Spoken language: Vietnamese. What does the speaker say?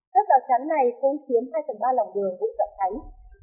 các dạo trán này cũng chiếm hai tầng ba lòng đường cũng trọng thánh